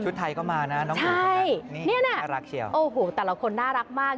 ไทยก็มานะน้องใช่นี่น่ะน่ารักเชียวโอ้โหแต่ละคนน่ารักมาก